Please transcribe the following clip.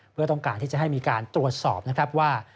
เพื่อต้องการที่จะให้มีการตรวจสอบนะครับว่า